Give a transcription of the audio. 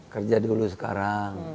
kerja dulu sekarang